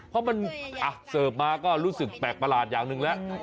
เพราะมันเสิร์ฟมาก็รู้สึกแปลกประหลาดอย่างหนึ่งแล้ว